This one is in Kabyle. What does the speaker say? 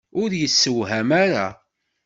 Ur yessewham ara!